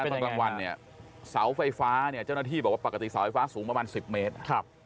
ตอนกลางวันเนี่ยเสาไฟฟ้าเนี่ยเจ้าหน้าที่บอกว่าปกติเสาไฟฟ้าสูงประมาณ๑๐เมตร